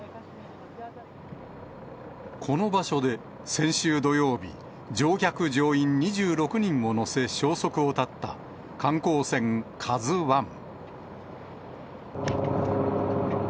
この場所で先週土曜日、乗客・乗員２６人を乗せ消息を絶った、観光船カズワン。